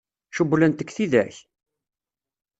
Cewwlent-k tidak?